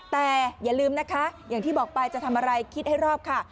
แต่อย่าลืมนะคะอย่างที่บอกไปจะทำอะไรคิดให้รอบค่ะ